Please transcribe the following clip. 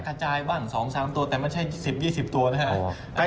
กระจายบ้าง๒๓ตัวแต่ไม่ใช่๑๐๒๐ตัวนะครับ